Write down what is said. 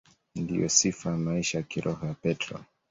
Ndiyo sifa ya maisha ya kiroho ya Petro.